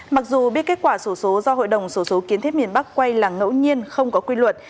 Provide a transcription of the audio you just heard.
mặc dù biết kết quả sổ số do hội đồng số số kiến thiết miền bắc quay là ngẫu nhiên không có quy luật